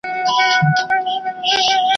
ریښتیا زوال نه لري `